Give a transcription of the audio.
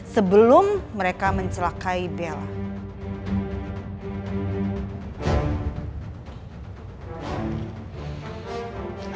sebelum mereka mencelakai bella